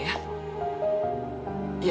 iya terima kasih banyak